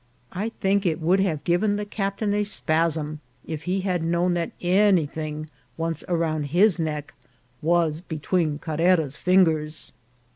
I think it would have given the captain a spasm if he had known that anything once around his neck was between Carrera's fingers.